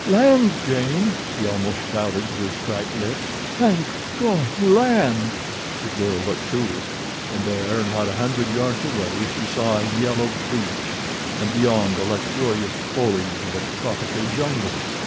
"Land, Jane!" he almost shouted through his cracked lips. "Thank God, land!" The girl looked, too, and there, not a hundred yards away, she saw a yellow beach, and, beyond, the luxurious foliage of a tropical jungle.